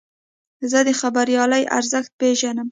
زه د خبریالۍ ارزښت پېژنم.